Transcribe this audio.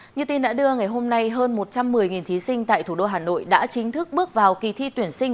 như tin đã đưa ngày hôm nay hơn một trăm một mươi thí sinh tại thủ đô hà nội đã chính thức bước vào kỳ thi tuyển sinh